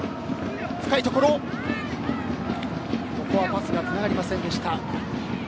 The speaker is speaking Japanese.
パスがつながりませんでした。